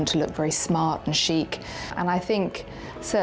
anda ingin terlihat sangat bijak dan kaya